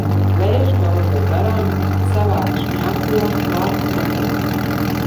Vējš gaudoja garām, savādi šņākuļo, klāt netiek.